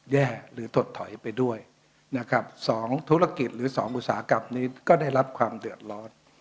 แย่หรือถดถอยไปด้วยนะครับ๒ธุรกิจหรือ๒อุตสาหกรรมนี้ก็ได้รับความเดือดร้อน